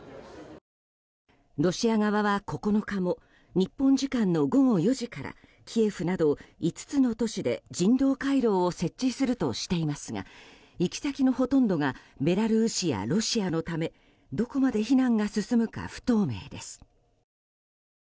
ロシア側は９日も日本時間の午後４時からキエフなど５つの都市で人道回廊を設置するとしていますが行き先のほとんどがベラルーシやロシアのためどこまで避難が進むか不透明です。